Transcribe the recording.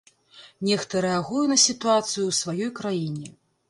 Нехта рэагуе на сітуацыю ў сваёй краіне.